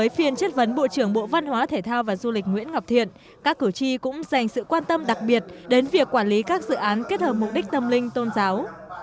phiên chất vấn bộ trưởng bộ văn hóa thể thao và du lịch nguyễn ngọc thiện các cử tri cũng dành sự quan tâm đặc biệt đến việc quản lý các dự án kết hợp mục đích tâm linh tôn giáo